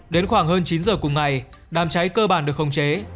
đến khoảng hơn chín h cùng ngày đàm cháy cơ bản được không chế